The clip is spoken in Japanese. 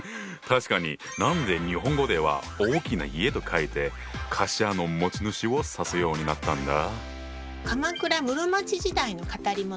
確かに何で日本語では「大きな家」と書いて「貸家の持ち主」を指すようになったんだ？